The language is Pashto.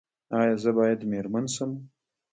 ایا زه باید میرمن شم؟